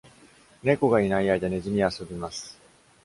猫がいない間、ねずみは遊びます。